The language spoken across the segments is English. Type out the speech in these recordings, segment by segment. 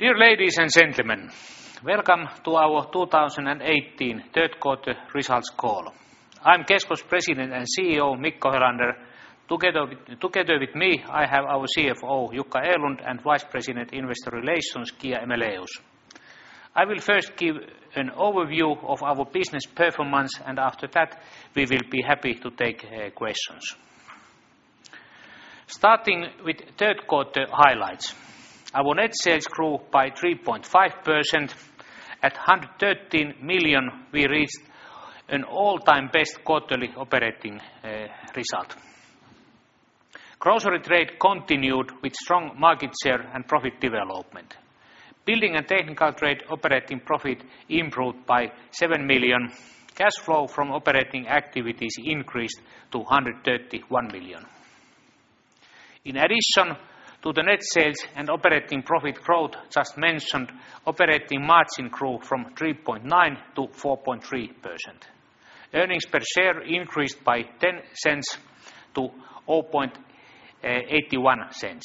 Dear ladies and gentlemen, welcome to our 2018 third quarter results call. I'm Kesko President and CEO, Mikko Helander. Together with me, I have our CFO, Jukka Erlund, and Vice President, Investor Relations, Hanna Jaakkola. I will first give an overview of our business performance, and after that, we will be happy to take questions. Starting with third quarter highlights. Our net sales grew by 3.5%. At 113 million, we reached an all-time best quarterly operating result. Grocery Trade continued with strong market share and profit development. Building and Technical Trade operating profit improved by 7 million. Cash flow from operating activities increased to 131 million. In addition to the net sales and operating profit growth just mentioned, operating margin grew from 3.9% to 4.3%. Earnings per share increased by 0.10 to 0.81.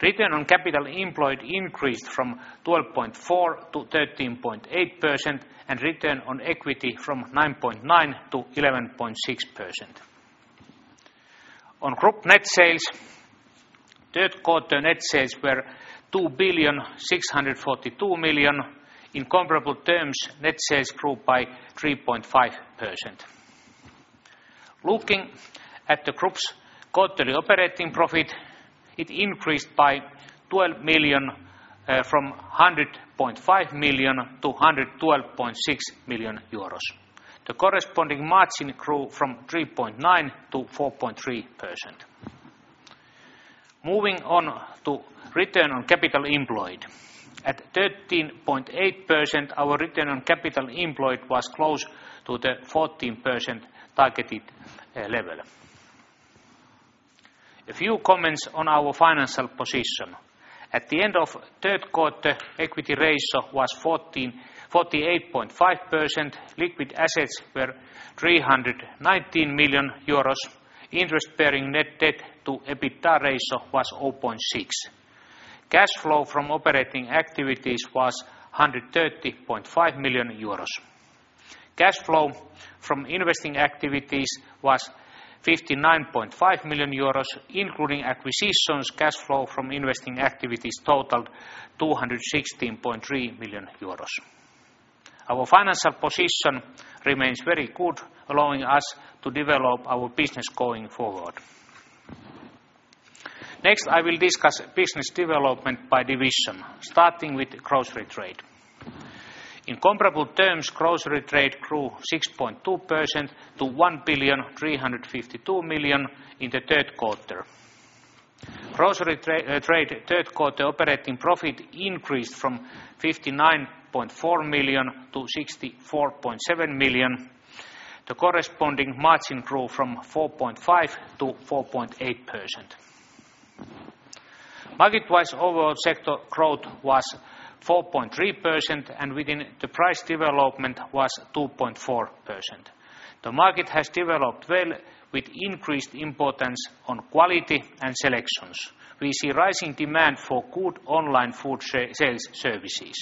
Return on capital employed increased from 12.4% to 13.8%, and return on equity from 9.9% to 11.6%. On group net sales, third quarter net sales were 2.642 billion. In comparable terms, net sales grew by 3.5%. Looking at the group's quarterly operating profit, it increased by 12 million from 100.5 million to 112.6 million euros. The corresponding margin grew from 3.9% to 4.3%. Moving on to return on capital employed. At 13.8%, our return on capital employed was close to the 14% targeted level. A few comments on our financial position. At the end of third quarter, equity ratio was 48.5%, liquid assets were 319 million euros, interest-bearing net debt to EBITDA ratio was 0.6. Cash flow from operating activities was 130.5 million euros. Cash flow from investing activities was 59.5 million euros, including acquisitions, cash flow from investing activities totaled 216.3 million euros. Our financial position remains very good, allowing us to develop our business going forward. Next, I will discuss business development by division, starting with Grocery Trade. In comparable terms, Grocery Trade grew 6.2% to 1.352 billion in the third quarter. Grocery Trade third quarter operating profit increased from 59.4 million to 64.7 million. The corresponding margin grew from 4.5% to 4.8%. Market-wise overall sector growth was 4.3%, and within the price development was 2.4%. The market has developed well with increased importance on quality and selections. We see rising demand for good online food sales services.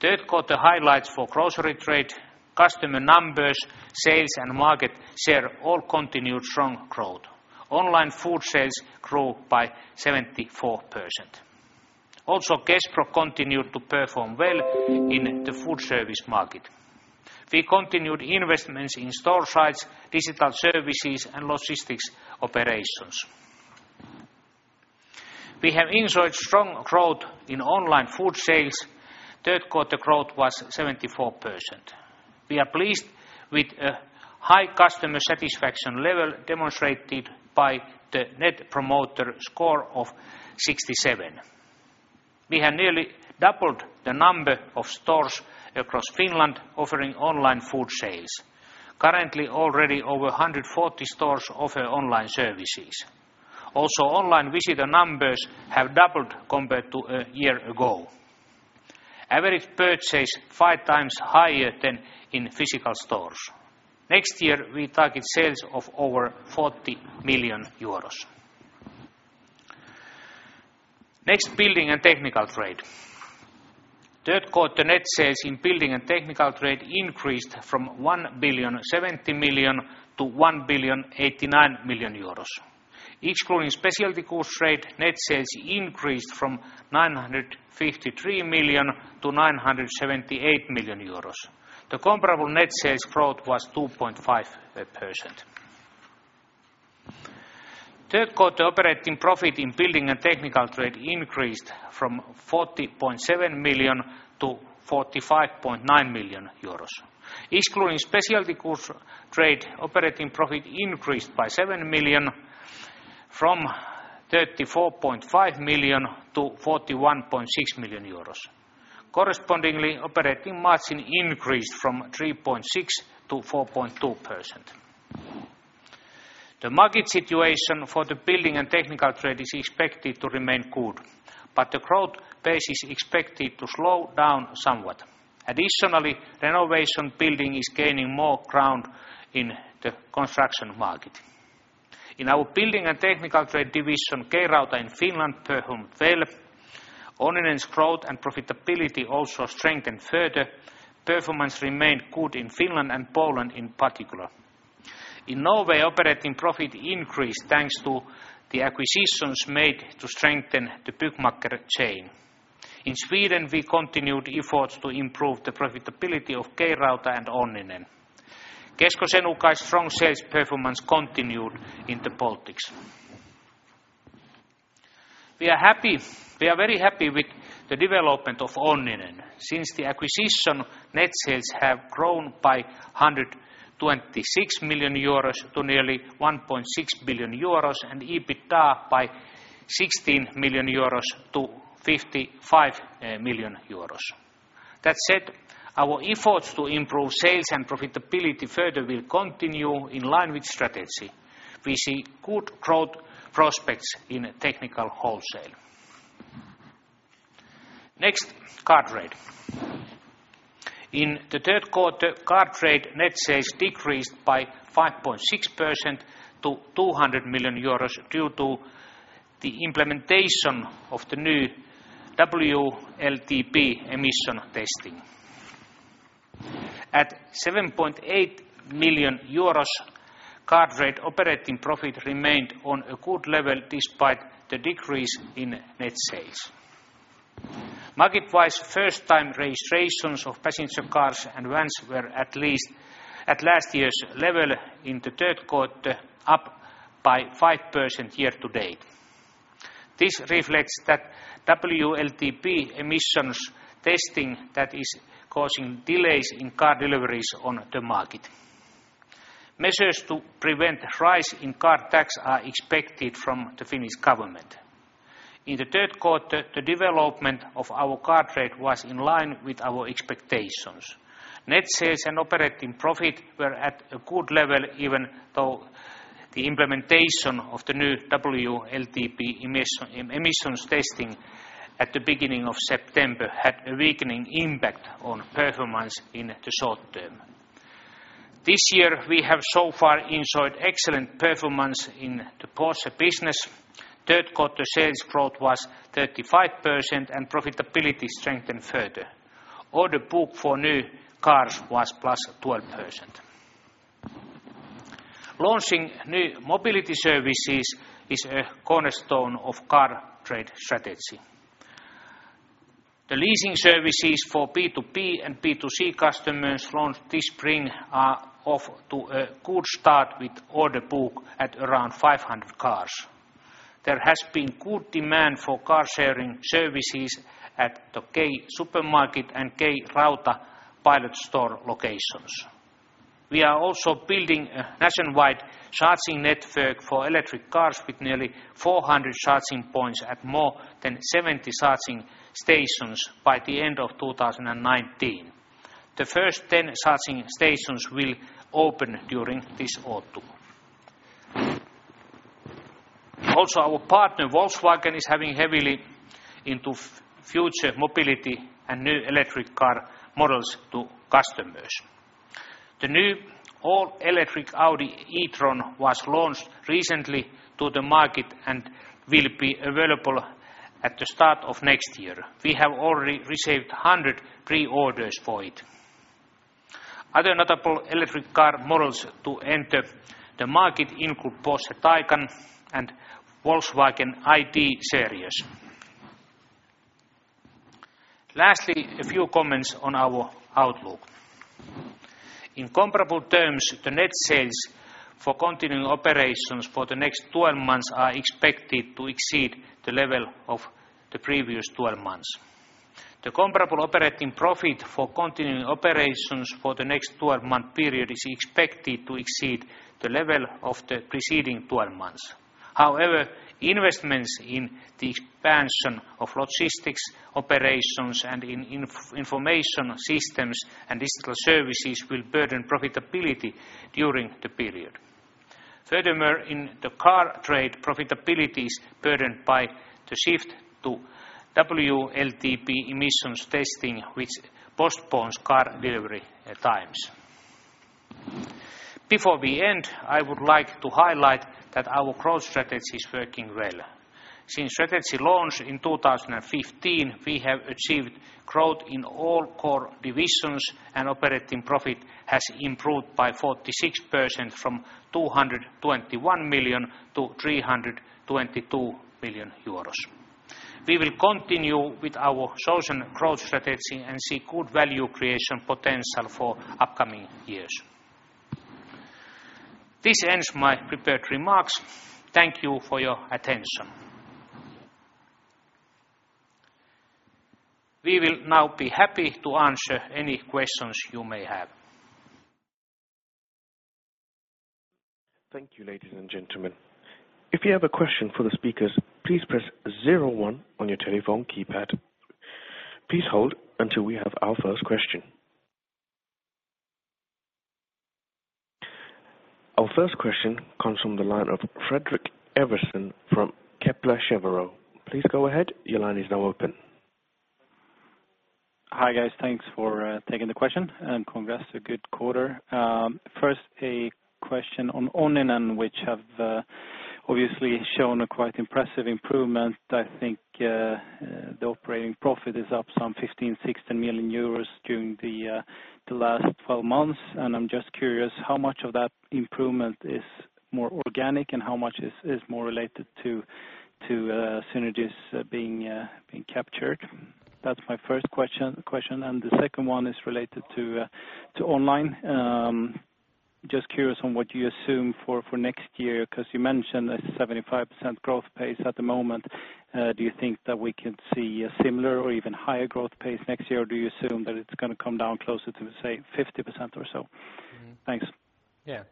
Third quarter highlights for Grocery Trade, customer numbers, sales, and market share all continued strong growth. Online food sales grew by 74%. Also, Kespro continued to perform well in the food service market. We continued investments in store sites, digital services, and logistics operations. We have ensured strong growth in online food sales. Third quarter growth was 74%. We are pleased with a high customer satisfaction level demonstrated by the Net Promoter Score of 67. We have nearly doubled the number of stores across Finland offering online food sales. Currently, already over 140 stores offer online services. Also, online visitor numbers have doubled compared to a year ago. Average purchase five times higher than in physical stores. Next year, we target sales of over 40 million euros. Next, Building and Technical Trade. Third quarter net sales in Building and Technical Trade increased from 1.070 billion to 1.089 billion. Excluding specialty goods trade, net sales increased from 953 million to 978 million euros. The comparable net sales growth was 2.5%. Third quarter operating profit in Building and Technical Trade increased from 40.7 million to 45.9 million euros. Excluding specialty goods trade, operating profit increased by 7 million from 34.5 million to 41.6 million euros. Correspondingly, operating margin increased from 3.6% to 4.2%. The market situation for the building and technical trade is expected to remain good, but the growth pace is expected to slow down somewhat. Additionally, renovation building is gaining more ground in the construction market. In our building and technical trade division, K-Rauta in Finland performed well. Onninen's growth and profitability also strengthened further. Performance remained good in Finland and Poland in particular. In Norway, operating profit increased thanks to the acquisitions made to strengthen the Byggmakker chain. In Sweden, we continued efforts to improve the profitability of K-Rauta and Onninen. Kesko Senukai's strong sales performance continued in the Baltics. We are very happy with the development of Onninen. Since the acquisition, net sales have grown by 126 million euros to nearly 1.6 billion euros and EBITDA by 16 million euros to 55 million euros. That said, our efforts to improve sales and profitability further will continue in line with strategy. We see good growth prospects in technical wholesale. Next, Car Trade. In the third quarter, Car Trade net sales decreased by 5.6% to 200 million euros due to the implementation of the new WLTP emission testing. At 7.8 million euros, Car Trade operating profit remained on a good level despite the decrease in net sales. Market-wise, first-time registrations of passenger cars and vans were at least at last year's level in the third quarter, up by 5% year-to-date. This reflects that WLTP emissions testing that is causing delays in car deliveries on the market. Measures to prevent rise in car tax are expected from the Finnish government. In the third quarter, the development of our Car Trade was in line with our expectations. Net sales and operating profit were at a good level, even though the implementation of the new WLTP emissions testing at the beginning of September had a weakening impact on performance in the short term. This year, we have so far enjoyed excellent performance in the Porsche business. Third-quarter sales growth was 35% and profitability strengthened further. Order book for new cars was +12%. Launching new mobility services is a cornerstone of Car Trade strategy. The leasing services for B2B and B2C customers launched this spring are off to a good start with order book at around 500 cars. There has been good demand for car sharing services at the K-Supermarket and K-Rauta pilot store locations. We are also building a nationwide charging network for electric cars with nearly 400 charging points at more than 70 charging stations by the end of 2019. The first 10 charging stations will open during this autumn. Also, our partner, Volkswagen, is having heavily into future mobility and new electric car models to customers. The new all-electric Audi e-tron was launched recently to the market and will be available at the start of next year. We have already received 100 pre-orders for it. Other notable electric car models to enter the market include Porsche Taycan and Volkswagen ID. series. Lastly, a few comments on our outlook. In comparable terms, the net sales for continuing operations for the next 12 months are expected to exceed the level of the previous 12 months. The comparable operating profit for continuing operations for the next 12-month period is expected to exceed the level of the preceding 12 months. Investments in the expansion of logistics operations and in information systems and digital services will burden profitability during the period. Furthermore, in the Car Trade, profitability is burdened by the shift to WLTP emissions testing, which postpones car delivery times. Before we end, I would like to highlight that our growth strategy is working well. Since strategy launch in 2015, we have achieved growth in all core divisions and operating profit has improved by 46% from 221 million to 322 million euros. We will continue with our chosen growth strategy and see good value creation potential for upcoming years. This ends my prepared remarks. Thank you for your attention. We will now be happy to answer any questions you may have. Thank you, ladies and gentlemen. If you have a question for the speakers, please press 01 on your telephone keypad. Please hold until we have our first question. Our first question comes from the line of Fredrik Ivarsson from Kepler Cheuvreux. Please go ahead. Your line is now open. Hi, guys. Thanks for taking the question, congrats, a good quarter. First, a question on Onninen, which have obviously shown a quite impressive improvement. I think the operating profit is up some 15 million-16 million euros during the last 12 months. I'm just curious how much of that improvement is more organic and how much is more related to synergies being captured? That's my first question. The second one is related to online. Just curious on what you assume for next year, because you mentioned a 75% growth pace at the moment. Do you think that we could see a similar or even higher growth pace next year? Or do you assume that it's going to come down closer to, say, 50% or so? Thanks.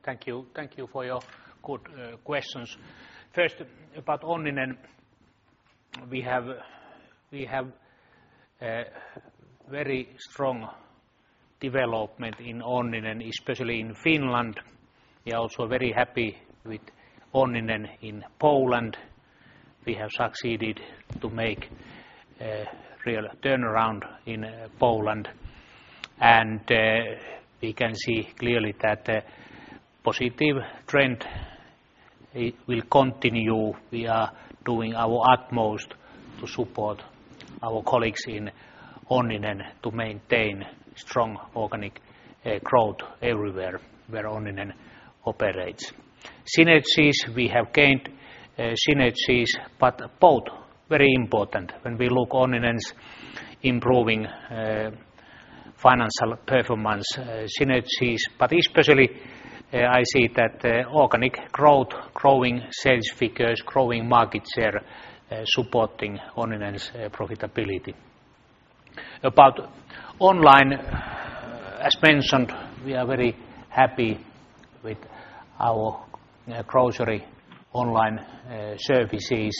Thank you for your good questions. First, about Onninen, we have a very strong development in Onninen, especially in Finland. We are also very happy with Onninen in Poland. We have succeeded to make a real turnaround in Poland. We can see clearly that the positive trend will continue. We are doing our utmost to support our colleagues in Onninen to maintain strong organic growth everywhere where Onninen operates. Synergies, we have gained synergies, but both very important when we look Onninen's improving financial performance synergies. Especially, I see that the organic growth, growing sales figures, growing market share supporting Onninen's profitability. About online, as mentioned, we are very happy with our grocery online services.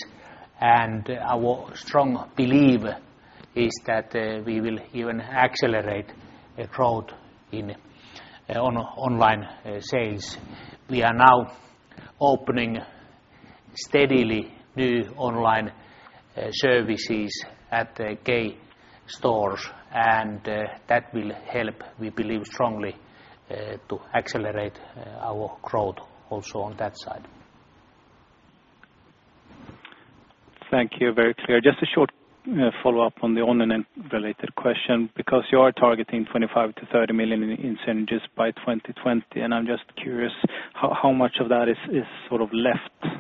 Our strong belief is that we will even accelerate growth in online sales. We are now opening steadily new online services at the K-stores, that will help, we believe strongly, to accelerate our growth also on that side. Thank you. Very clear. Just a short follow-up on the Onninen-related question, because you are targeting 25 million-30 million in synergies by 2020, I'm just curious how much of that is left.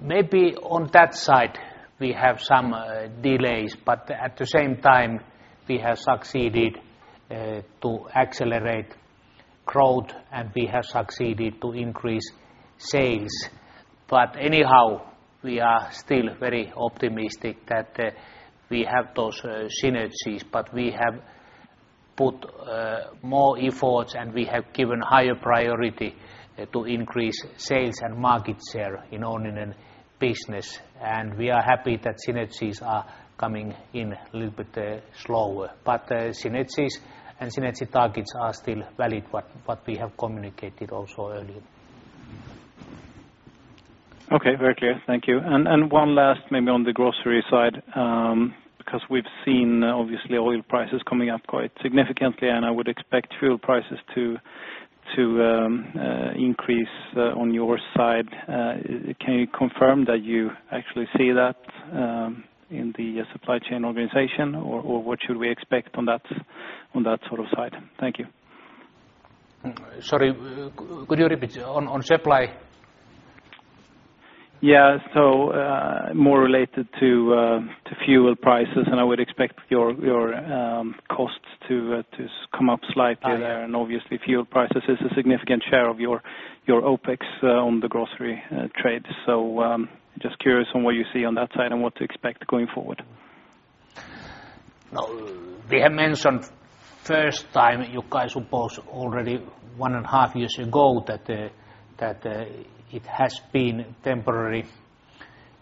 Maybe on that side we have some delays, at the same time, we have succeeded to accelerate growth, we have succeeded to increase sales. Anyhow, we are still very optimistic that we have those synergies. We have put more efforts, we have given higher priority to increase sales and market share in Onninen business. We are happy that synergies are coming in a little bit slower. Synergies and synergy targets are still valid, what we have communicated also earlier. Okay. Very clear. Thank you. One last maybe on the grocery side, because we've seen, obviously, oil prices coming up quite significantly, I would expect fuel prices to increase on your side. Can you confirm that you actually see that in the supply chain organization? What should we expect on that sort of side? Thank you. Sorry, could you repeat? On supply? More related to fuel prices, and I would expect your costs to come up slightly there. Yeah. Obviously fuel prices is a significant share of your OPEX on the grocery trade. Just curious on what you see on that side and what to expect going forward. We have mentioned first time, Jukka supposed already one and a half years ago that it has been temporary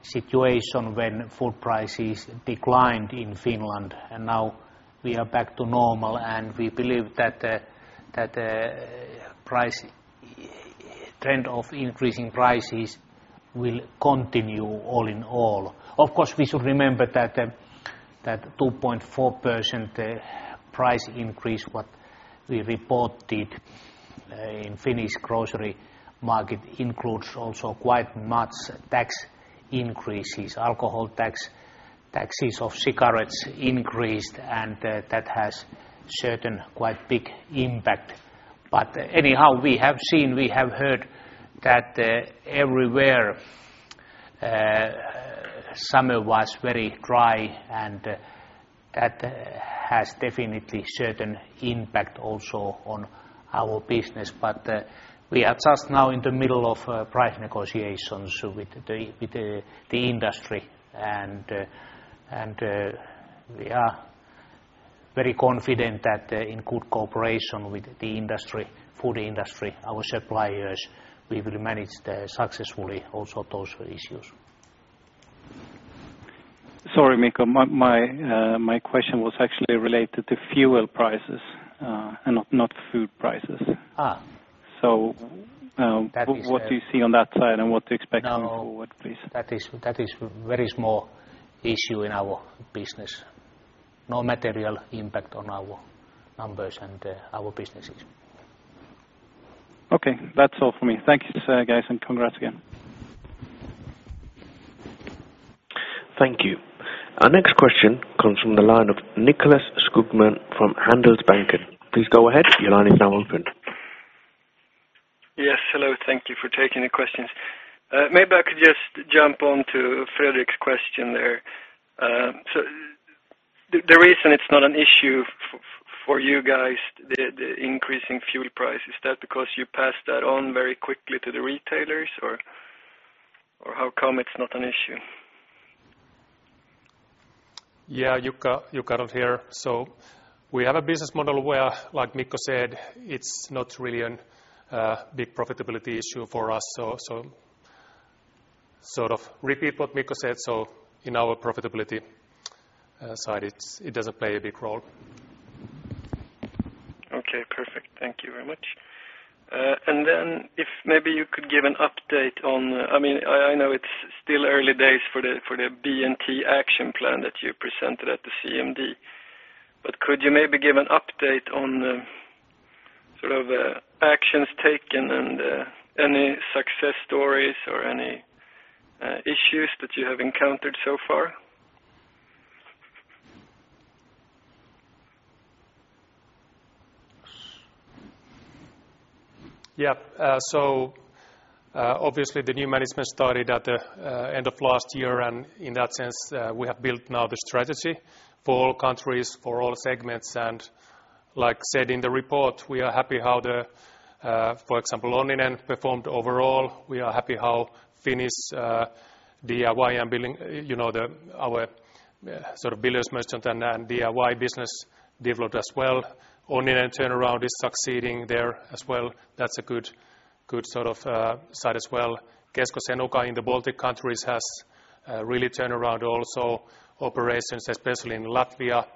situation when food prices declined in Finland. Now we are back to normal, and we believe that trend of increasing prices will continue all in all. Of course, we should remember that 2.4% price increase, what we reported in Finnish grocery market includes also quite much tax increases. Alcohol tax, taxes of cigarettes increased. That has certain quite big impact. Anyhow, we have seen, we have heard that everywhere summer was very dry, and that has definitely certain impact also on our business. We are just now in the middle of price negotiations with the industry. We are very confident that in good cooperation with the industry, food industry, our suppliers, we will manage successfully also those issues. Sorry, Mikko, my question was actually related to fuel prices and not food prices. What do you see on that side and what to expect going forward, please? That is very small issue in our business. No material impact on our numbers and our businesses. Okay. That's all for me. Thank you, guys, and congrats again. Thank you. Our next question comes from the line of Nicklas Skogman from Handelsbanken. Please go ahead. Your line is now open. Yes. Hello. Thank you for taking the questions. Maybe I could just jump on to Fredrik's question there. The reason it's not an issue for you guys, the increasing fuel price, is that because you passed that on very quickly to the retailers or how come it's not an issue? Yeah, Jukka out here. We have a business model where, like Mikko said, it's not really a big profitability issue for us. Sort of repeat what Mikko said. In our profitability side, it doesn't play a big role. Okay, perfect. Thank you very much. If maybe you could give an update on I know it's still early days for the B&T action plan that you presented at the CMD, but could you maybe give an update on the sort of actions taken and any success stories or any issues that you have encountered so far? Obviously the new management started at the end of last year, and in that sense, we have built now the strategy for all countries, for all segments. Like said in the report, we are happy how the, for example, Onninen performed overall. We are happy how Finnish DIY and building our sort of builders merchant and DIY business developed as well. Onninen turnaround is succeeding there as well. That's a good sort of side as well. Kesko Senukai in the Baltic countries has really turned around also operations, especially in Latvia.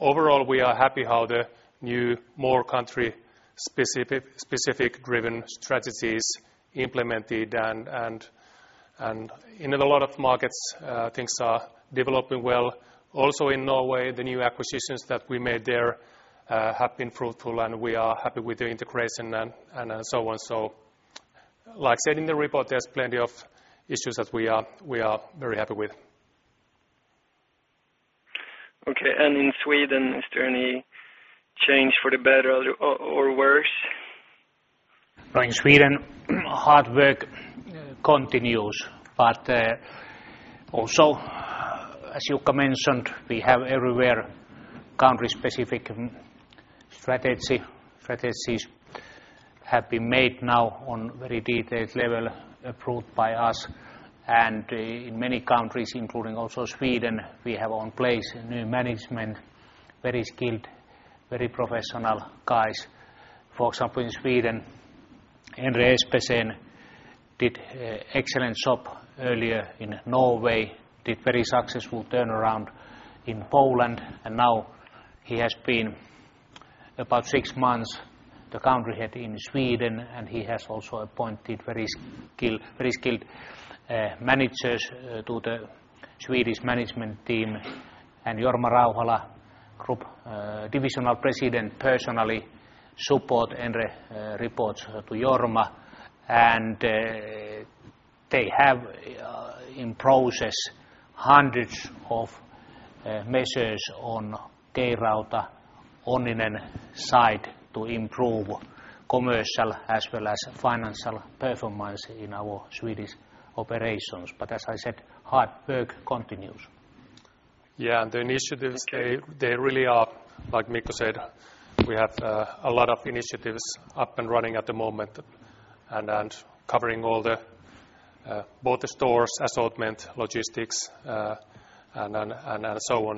Overall, we are happy how the new, more country specific driven strategies implemented and in a lot of markets, things are developing well. Also in Norway, the new acquisitions that we made there have been fruitful, and we are happy with the integration and so on. Like said in the report, there's plenty of issues that we are very happy with. Okay, in Sweden, is there any change for the better or worse? In Sweden, hard work continues. Also as you mentioned, we have everywhere country specific strategies have been made now on very detailed level, approved by us. In many countries, including also Sweden, we have on place new management, very skilled, very professional guys. For example, in Sweden, Andreas Espeseth did excellent job earlier in Norway, did very successful turnaround in Poland, and now he has been about six months the country head in Sweden, and he has also appointed very skilled managers to the Swedish management team. Jorma Rauhala, group divisional president, personally support Andreas reports to Jorma, and they have in process hundreds of measures on K-Rauta Onninen side to improve commercial as well as financial performance in our Swedish operations. As I said, hard work continues. Yeah, the initiatives they really are Like Mikko said, we have a lot of initiatives up and running at the moment and covering all the both stores, assortment, logistics, and so on.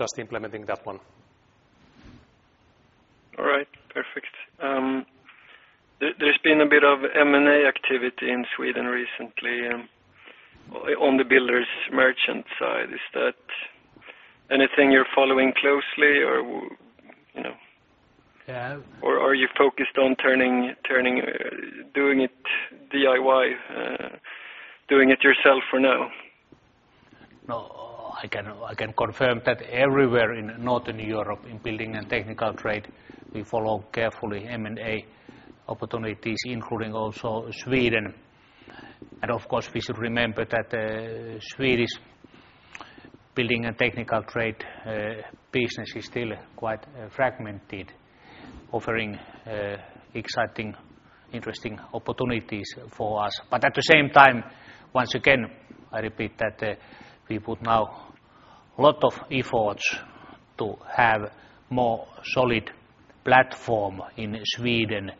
Just implementing that one. All right, perfect. There's been a bit of M&A activity in Sweden recently on the builders merchant side. Is that anything you're following closely? Yeah Are you focused on doing it DIY, doing it yourself for now? I can confirm that everywhere in Northern Europe in building and technical trade, we follow carefully M&A opportunities, including also Sweden. Of course, we should remember that the Swedish building and technical trade business is still quite fragmented, offering exciting, interesting opportunities for us. At the same time, once again, I repeat that we put lot of efforts to have more solid platform in Sweden,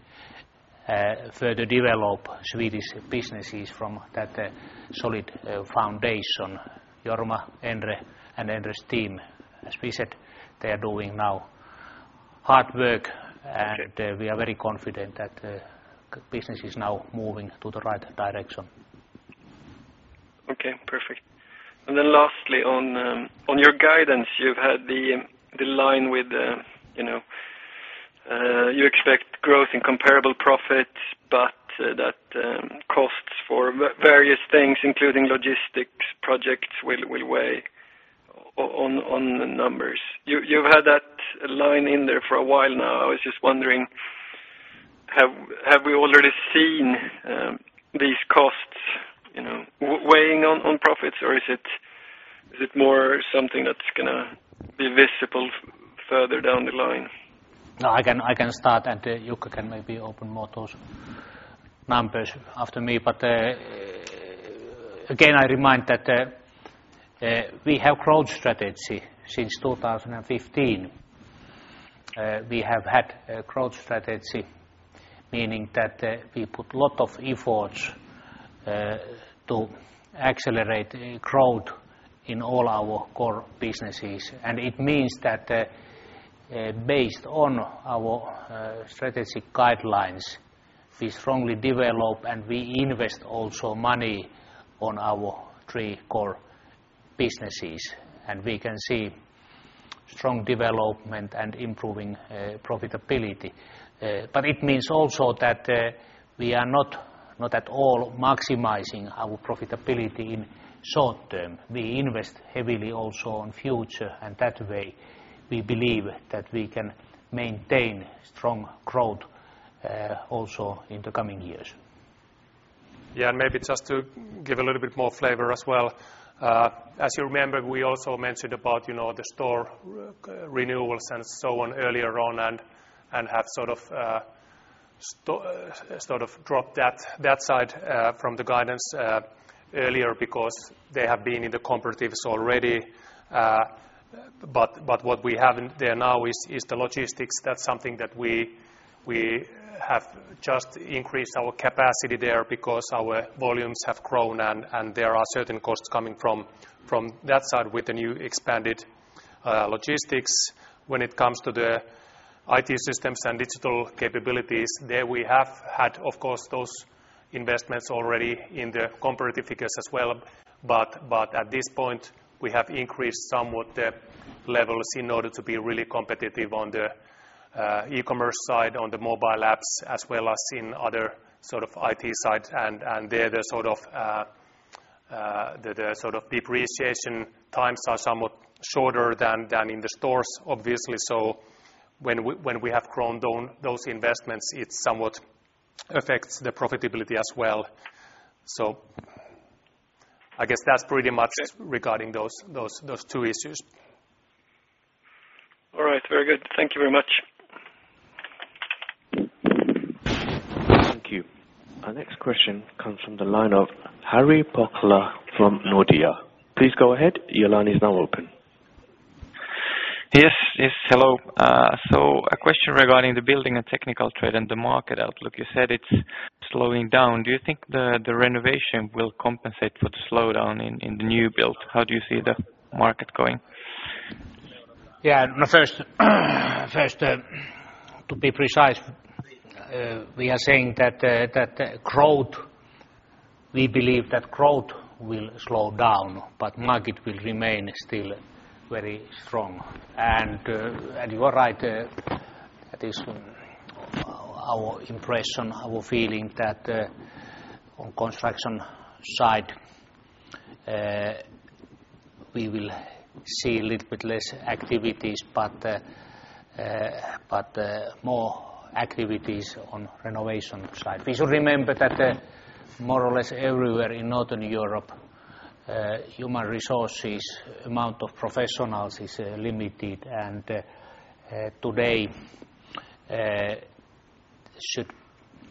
further develop Swedish businesses from that solid foundation. Jorma, Andre, and Andre's team, as we said, they are doing now hard work and we are very confident that the business is now moving to the right direction. Okay, perfect. Lastly on your guidance, you've had the line with you expect growth in comparable profits that costs for various things, including logistics projects will weigh on the numbers. You've had that line in there for a while now. I was just wondering, have we already seen these costs weighing on profits or is it more something that's going to be visible further down the line? I can start Jukka can maybe open more those numbers after me. Again I remind that we have growth strategy since 2015. We have had a growth strategy, meaning that we put lot of efforts to accelerate growth in all our core businesses. It means that based on our strategic guidelines, we strongly develop and we invest also money on our three core businesses, and we can see strong development and improving profitability. It means also that we are not at all maximizing our profitability in short term. We invest heavily also on future, that way we believe that we can maintain strong growth also in the coming years. Yeah. Maybe just to give a little bit more flavor as well. As you remember, we also mentioned about the store renewals and so on earlier on and have sort of dropped that side from the guidance earlier because they have been in the comparatives already. What we have in there now is the logistics. That's something that we have just increased our capacity there because our volumes have grown and there are certain costs coming from that side with the new expanded logistics. When it comes to the IT systems and digital capabilities there we have had of course those investments already in the comparative figures as well. At this point we have increased somewhat the levels in order to be really competitive on the e-commerce side, on the mobile apps as well as in other sort of IT sides. The sort of depreciation times are somewhat shorter than in the stores obviously. When we have grown those investments, it somewhat affects the profitability as well. I guess that's pretty much regarding those two issues. All right, very good. Thank you very much. Thank you. Our next question comes from the line of Harri Pokela from Nordea. Please go ahead. Your line is now open. Yes, hello. A question regarding the building and technical trade and the market outlook. You said it's slowing down. Do you think the renovation will compensate for the slowdown in the new build? How do you see the market going? Yeah. First to be precise we are saying that we believe that growth will slow down, but market will remain still very strong. You are right. That is our impression, our feeling that on construction side we will see a little bit less activities but more activities on renovation side. We should remember that more or less everywhere in Northern Europe human resources amount of professionals is limited and today should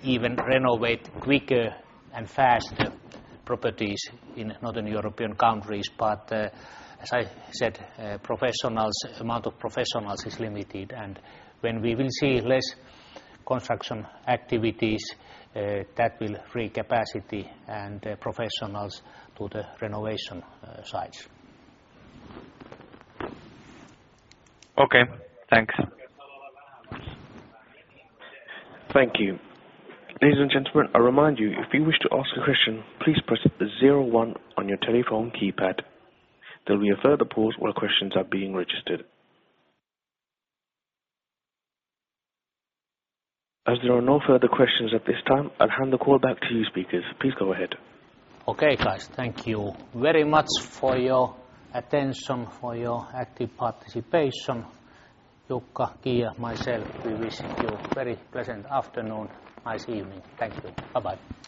even renovate quicker and faster properties in Northern European countries. As I said professionals, amount of professionals is limited and when we will see less construction activities that will free capacity and professionals to the renovation sides. Okay, thanks. Thank you. Ladies and gentlemen, I remind you if you wish to ask a question, please press the 01 on your telephone keypad. There'll be a further pause while questions are being registered. As there are no further questions at this time, I'll hand the call back to you speakers. Please go ahead. Okay, guys. Thank you very much for your attention, for your active participation. Jukka, Kiia, myself, we wish you a very pleasant afternoon. Nice evening. Thank you. Bye.